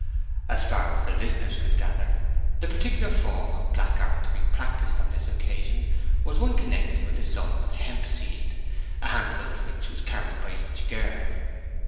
As far as the listeners could gather, the particular form of black art to be practised on this occasion was one connected with the sowing of hemp seed, a handful of which was carried by each girl.